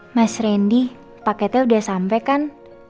mas randy paketnya udah sampai kan